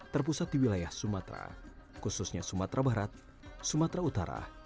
terpusat di wilayah sumatera khususnya sumatera barat sumatera utara